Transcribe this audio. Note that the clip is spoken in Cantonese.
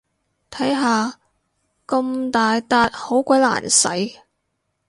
睇下，咁大撻好鬼難洗